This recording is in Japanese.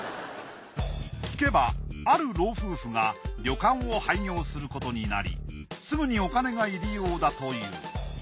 聞けばある老夫婦が旅館を廃業することになりすぐにお金が入り用だという。